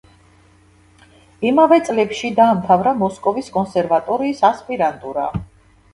იმავე წლებში დაამთავრა მოსკოვის კონსერვატორიის ასპირანტურა.